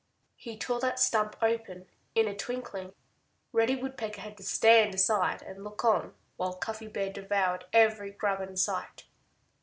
He tore that stump open in a twinkling. Reddy Woodpecker had to stand aside and look on while Cuffy Bear devoured every grub in sight.